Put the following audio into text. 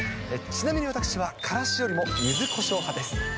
ちなみに、私はからしよりもゆずこしょう派です。